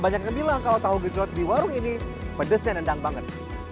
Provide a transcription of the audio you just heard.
banyak yang bilang kalau tahu gejot di warung ini pedesnya nendang banget